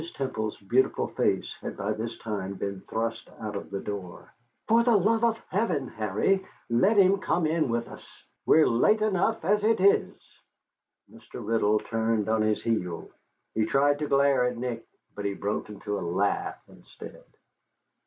Temple's beautiful face had by this time been thrust out of the door. "For the love of heaven, Harry, let him come in with us. We're late enough as it is." Mr. Riddle turned on his heel. He tried to glare at Nick, but he broke into a laugh instead.